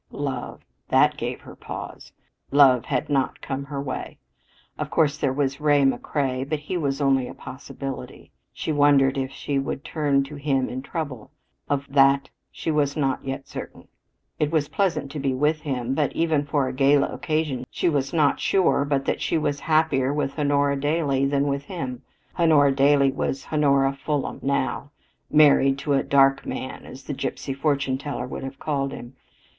Love! That gave her pause. Love had not come her way. Of course there was Ray McCrea. But he was only a possibility. She wondered if she would turn to him in trouble. Of that she was not yet certain. It was pleasant to be with him, but even for a gala occasion she was not sure but that she was happier with Honora Daley than with him. Honora Daley was Honora Fulham now married to a "dark man" as the gypsy fortune tellers would have called him.